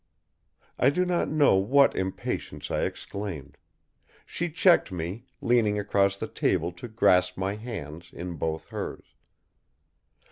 I do not know what impatience I exclaimed. She checked me, leaning across the table to grasp my hand in both hers.